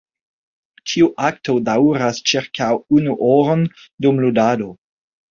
Ĉiu akto daŭras ĉirkaŭ unu horon dum ludado.